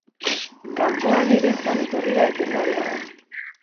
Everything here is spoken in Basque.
Kanpoan ere joan etorria etengabea da.